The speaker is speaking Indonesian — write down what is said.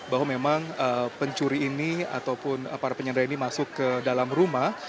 bahwa memang pencuri ini ataupun para penyandera ini masuk ke dalam rumah